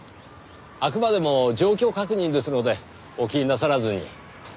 あくまでも状況確認ですのでお気になさらずに。